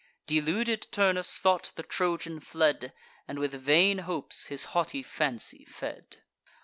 Deluded Turnus thought the Trojan fled, And with vain hopes his haughty fancy fed.